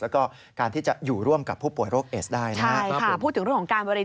แล้วก็การที่จะอยู่ร่วมกับผู้ป่วยโรคเอสได้นะครับ